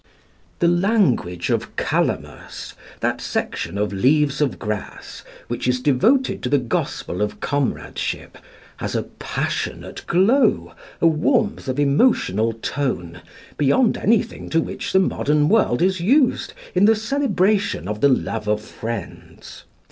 The language of "Calamus" (that section of "Leaves of Grass" which is devoted to the gospel of comradeship) has a passionate glow, a warmth of emotional tone, beyond anything to which the modern world is used in the celebration of the love of friends.